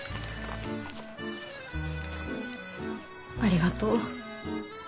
ありがとう。